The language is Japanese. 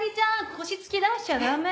腰突き出しちゃダメ。